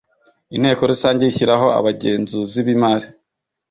Inteko Rusange ishyiraho Abagenzuzi b imari